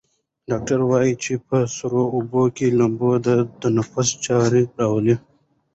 ډاکټره وویل چې په سړو اوبو کې لامبېدل د تنفس چاره راوړي.